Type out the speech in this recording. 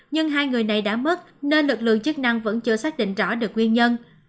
nhưng hai người này đã mất nên lực lượng chức năng vẫn chưa xác định rõ được nguyên nhân